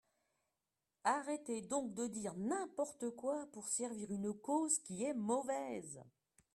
Arrêtez donc de dire n’importe quoi pour servir une cause qui est mauvaise.